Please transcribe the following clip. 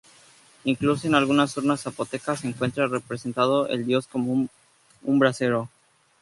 Incluso en algunas urnas Zapotecas se encuentra representado el dios como un brasero.